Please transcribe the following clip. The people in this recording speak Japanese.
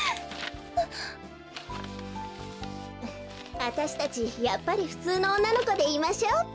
あたしたちやっぱりふつうのおんなのこでいましょうべ。